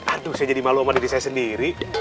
aduh saya jadi malu sama diri saya sendiri